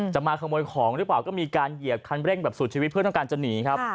จะมาขโมยของหรือเปล่าก็มีการเหยียบคันเร่งแบบสุดชีวิตเพื่อต้องการจะหนีครับ